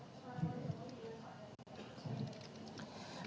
dan si pak istri juga